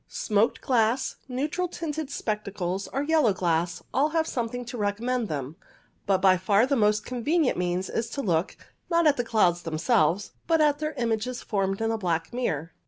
Smoked glass, neutral tinted spectacles, or yellow glass all have something to recommend them ; but by far the most convenient means is to look, not at the clouds themselves, but at their images formed in a black mirror.